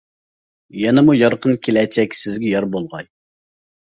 يەنىمۇ يارقىن كېلەچەك سىزگە يار بولغاي!